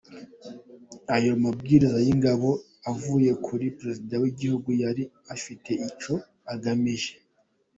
Ayo mabwiriza y’Ingabo avuye kuri Perezida w’Igihugu yari afite icyo agamije.